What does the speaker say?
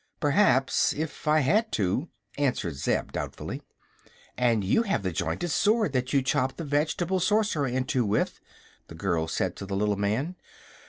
"Perhaps; if I had to," answered Zeb, doubtfully. "And you have the jointed sword that you chopped the veg'table Sorcerer in two with," the girl said to the little man.